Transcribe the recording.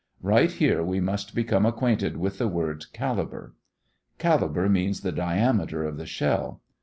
Right here we must become acquainted with the word "caliber." Caliber means the diameter of the shell.